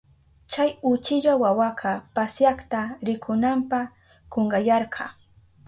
Chay uchilla wawaka pasyakta rikunanpa kunkayarka.